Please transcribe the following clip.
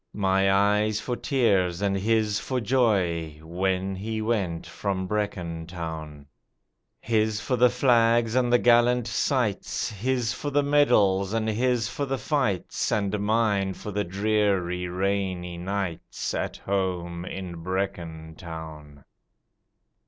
My eyes for tears and his for joy When he went from Brecon Town, His for the flags and the gallant sights His for the medals and his for the fights, And mine for the dreary, rainy nights At home in Brecon Town.